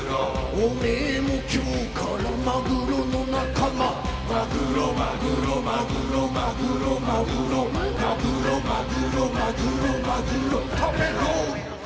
「お前も今日からマグロの仲間」「マグロマグロマグロマグロマグロマグロマグロマグロマグロ」「食べろ！」